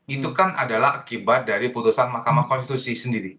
itu kan adalah akibat dari putusan mahkamah konstitusi sendiri